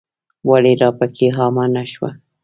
ولې راپکې عامه نه شوه.